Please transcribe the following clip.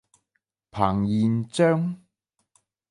彭彦章。